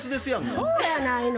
そうやないの。